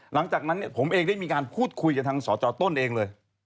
หลังจากนั้นผมเองได้มีการพูดคุยกับทางสจต้นเองเลย